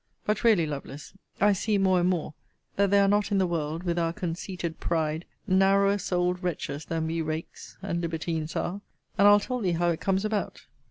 But really, Lovelace, I see more and more that there are not in the world, with our conceited pride, narrower souled wretches than we rakes and libertines are. And I'll tell thee how it comes about.